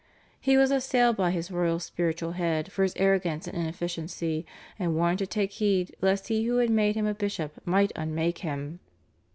He was assailed by his royal spiritual head for his arrogance and inefficiency, and warned to take heed lest he who had made him a bishop might unmake him.